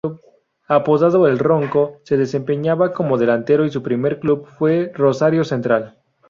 Apodado el "Ronco", se desempeñaba como delantero y su primer club fue Rosario Central.